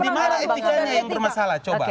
dimana etikanya yang bermasalah coba